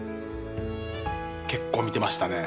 結構見てましたね。